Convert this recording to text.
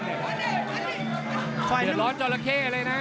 เดี๋ยวร้อนจรเค๋เลยนะ